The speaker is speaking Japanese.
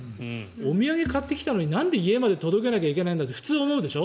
お土産を買ってきたのになんで家まで届けなきゃいけないんだって普通思うでしょ。